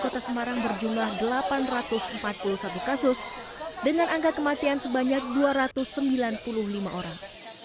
kota semarang berjumlah delapan ratus empat puluh satu kasus dengan angka kematian sebanyak dua ratus sembilan puluh lima orang